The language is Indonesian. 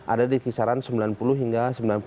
ada di kisaran sembilan puluh hingga sembilan puluh sembilan